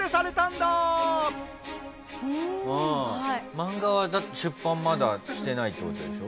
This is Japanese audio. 漫画は出版まだしてないって事でしょ？